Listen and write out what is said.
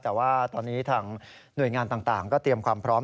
แต่ว่าตอนนี้ทางหน่วยงานต่างก็เตรียมความพร้อม